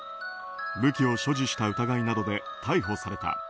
武器を所持した疑いなどで逮捕された。